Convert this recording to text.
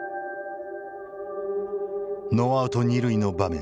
ノーアウト二塁の場面